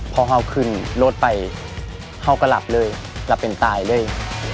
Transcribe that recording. พอเขาขึ้นรถไปเขาก็หลับเลยหลับเป็นตายเลย